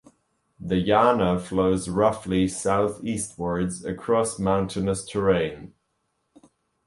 The Yana flows roughly southeastwards across mountainous terrain.